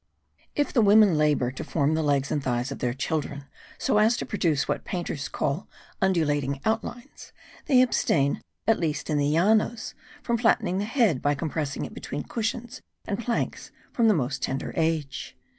If the women labour to form the legs and thighs of their children so as to produce what painters call undulating outlines, they abstain (at least in the Llanos), from flattening the head by compressing it between cushions and planks from the most tender age.